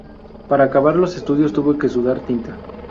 Para acabar los estudios tuvo que sudar tinta